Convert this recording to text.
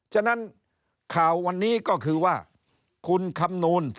ฉะนั้นข่าววันนี้ก็คือว่า